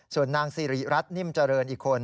ส่วนนางสิริรัตนิ่มเจริญอีกคน